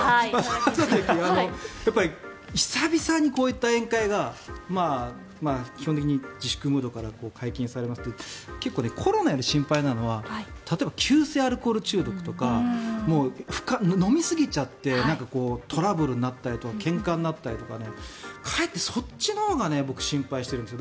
やっぱり久々にこういった宴会が基本的に自粛ムードから解禁されるとコロナより心配なのは例えば急性アルコール中毒とか飲みすぎちゃってトラブルになったりけんかになったりとかかえってそっちのほうが僕、心配しているんです。